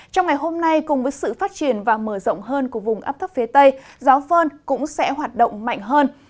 trong ngày hôm nay cùng với sự phát triển và mở rộng hơn của vùng ấp thấp phía tây gió phơn cũng sẽ hoạt động mạnh hơn